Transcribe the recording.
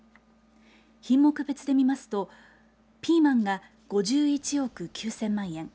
品目別で見ますとピーマンが５１億９０００万円